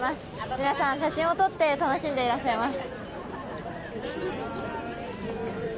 皆さん、写真を撮って楽しんでいらっしゃいます。